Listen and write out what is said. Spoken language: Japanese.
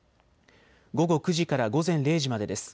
午後９時から午前０時までです。